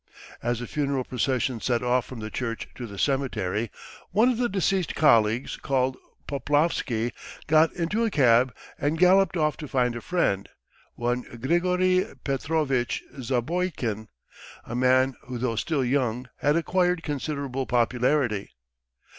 As the funeral procession set off from the church to the cemetery, one of the deceased's colleagues, called Poplavsky, got into a cab and galloped off to find a friend, one Grigory Petrovitch Zapoikin, a man who though still young had acquired considerable popularity.